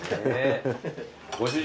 ご主人